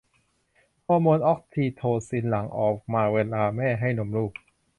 ฮอร์โมนออกซิโทซินหลั่งออกมาเวลาแม่ให้นมลูก